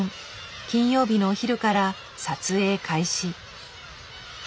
金曜日のお昼から撮影開始。